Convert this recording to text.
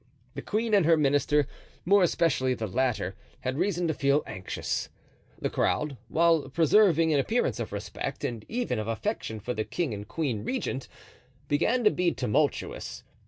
The queen and her minister, more especially the latter, had reason to feel anxious. The crowd, whilst preserving an appearance of respect and even of affection for the king and queen regent, began to be tumultuous.